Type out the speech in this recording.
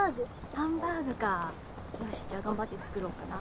・・ハンバーグかよしじゃあ頑張って作ろうかな・・